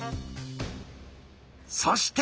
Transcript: そして！